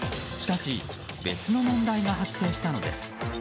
しかし、別の問題が発生したのです。